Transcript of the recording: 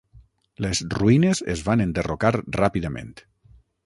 Les ruïnes es van enderrocar ràpidament.